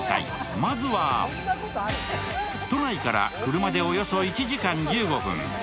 まずは都内から、車でおよそ１時間１５分。